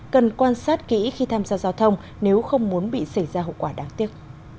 cần quan sát kỹ khi tham gia giao thông nếu không muốn bị xảy ra hậu quả đáng tiếc